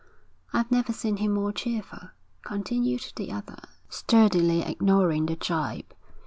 'I've never seen him more cheerful,' continued the other, sturdily ignoring the gibe.